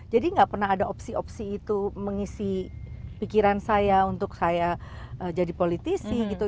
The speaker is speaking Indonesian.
jadi gak pernah ada opsi opsi itu mengisi pikiran saya untuk saya jadi politisi gitu